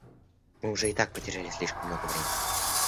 Мы уже и так потеряли слишком много времени.